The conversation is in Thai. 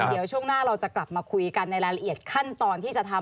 เดี๋ยวช่วงหน้าเราจะกลับมาคุยกันในรายละเอียดขั้นตอนที่จะทำ